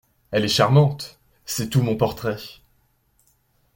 Elle est charmante… c’est tout mon portrait…